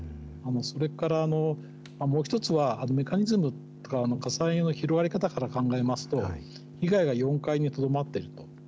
それからもう一つは、メカニズムとか、火災の広がり方から考えますと、被害が４階にとどまっていると。